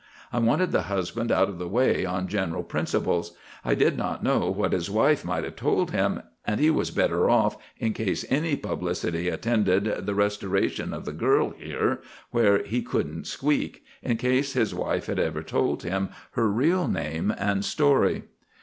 I wanted the husband out of the way, on general principles. I did not know what his wife might have told him and he was better off, in case any publicity attended the restoration of the girl here, where he couldn't squeak, in case his wife had ever told him her real name and story.